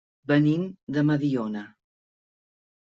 Venim de Mediona.